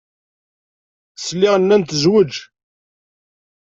Sliɣ nnan tezweǧ.